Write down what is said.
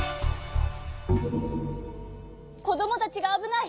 こどもたちがあぶない。